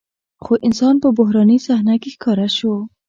خو انسان په بحراني صحنه کې ښکاره شو.